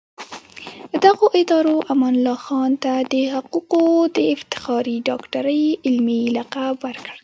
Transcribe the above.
دغو ادارو امان الله خان ته د حقوقو د افتخاري ډاکټرۍ علمي لقب ورکړ.